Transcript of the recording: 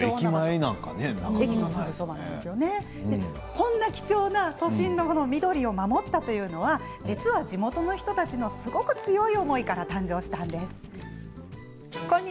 こんな貴重な都心の緑を守ったのは実は地元の人たちの強い思いから誕生したんです。